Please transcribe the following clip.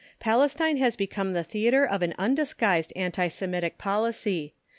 Palestine has become the theatre of an undisguised anti Semitic policy.